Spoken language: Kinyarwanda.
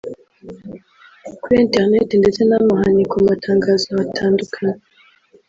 kuri internet ndetse n’ahamanikwa amatangazo hatandukanye